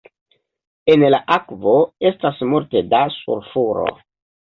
En la akvo estas multe da sulfuro.